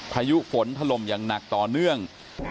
พายุฝนถล่มอย่างหนักต่อเนื่อง